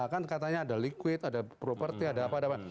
kan katanya ada liquid ada property ada apa apa